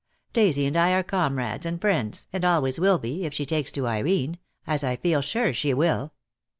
Daisy and I are comrades and friends, and always will be, if she takes to Irene; as I feel sure she will."